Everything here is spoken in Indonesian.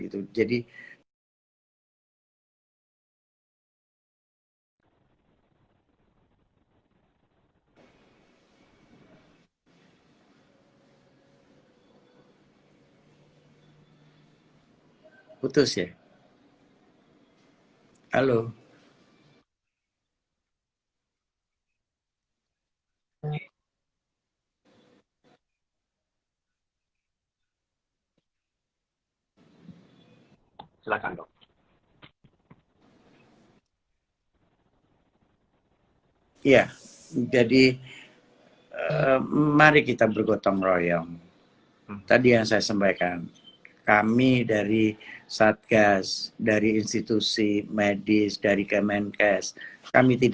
tidak pernah masuk rumah sakit